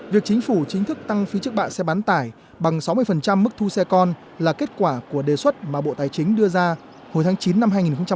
việc chính phủ chính thức tăng phí chức bạ xe bán tải bằng sáu mươi mức thu xe con là kết quả của đề xuất mà bộ tài chính đưa ra hồi tháng chín năm hai nghìn hai mươi